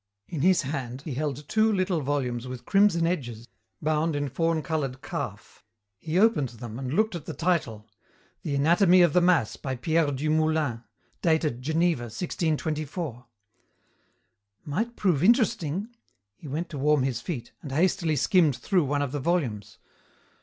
In his hand he held two little volumes with crimson edges, bound in fawn coloured calf. He opened them and looked at the title, The anatomy of the mass, by Pierre du Moulin, dated, Geneva, 1624. "Might prove interesting." He went to warm his feet, and hastily skimmed through one of the volumes.